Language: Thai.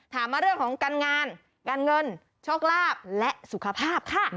มาเรื่องของการงานการเงินโชคลาภและสุขภาพค่ะ